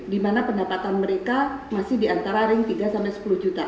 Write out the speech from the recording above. dimana pendapatan mereka masih diantara ring tiga sepuluh juta